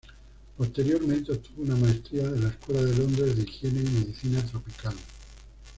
Posteriormente obtuvo una Maestría de la Escuela de Londres de Higiene y Medicina Tropical.